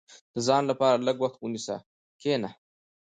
• د ځان لپاره لږ وخت ونیسه، کښېنه.